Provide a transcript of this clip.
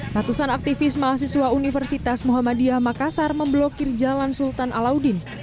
ratusan aktivis mahasiswa universitas muhammadiyah makassar memblokir jalan sultan alauddin